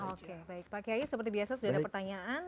oke baik pak kiai seperti biasa sudah ada pertanyaan